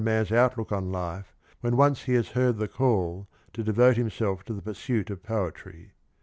'«^' man's outlook on life when once he has heard the call to '»^«^»'^"«='' devote himself to the pursuit of poetry.